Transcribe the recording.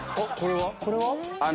これは？